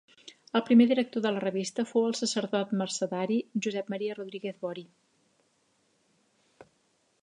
El primer director de la revista fou el sacerdot mercedari Josep Maria Rodríguez Bori.